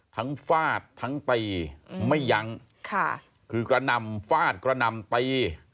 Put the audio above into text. ทั้งฟาดทั้งตีไม่ยังคือกระนำฟาดกระนำตี